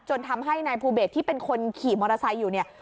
ทำให้นายภูเบสที่เป็นคนขี่มอเตอร์ไซค์อยู่เนี่ย